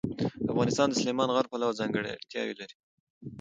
افغانستان د سلیمان غر پلوه ځانګړتیاوې لري.